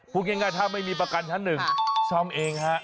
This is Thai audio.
พูดง่ายถ้าไม่มีประกันชั้นหนึ่งซ่อมเองฮะ